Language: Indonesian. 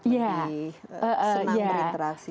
lebih senang berinteraksi